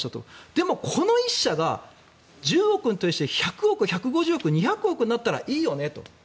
でも、この１社が１０億に対して１００億、１５０億２００億になったらいいよねと。